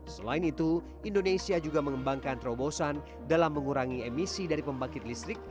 selain itu indonesia juga mengembangkan terobosan dalam mengurangi emisi dari pembangkit listrik